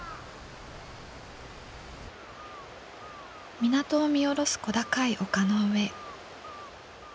港を見下ろす小高い丘の上。